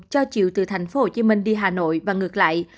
cho chiều từ thành phố hồ chí minh đi hà nội và ngược lại